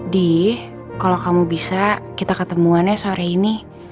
di kalau kamu bisa kita ketemuannya sore ini